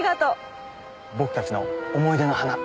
僕たちの思い出の花。